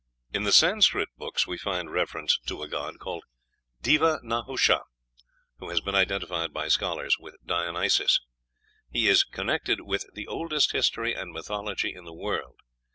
In the Sanscrit books we find reference to a god called Deva Nahusha, who has been identified by scholars with Dionysos. He is connected "with the oldest history and mythology in the world."